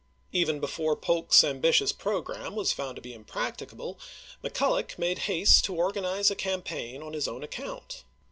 Even before Polk's ambitious programme was found to be impracticable, McCulloch made haste to organize a campaign on his own account.